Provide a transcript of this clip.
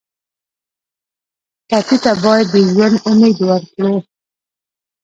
ټپي ته باید د ژوند امید ورکړو.